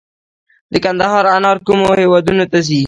د کندهار انار کومو هیوادونو ته ځي؟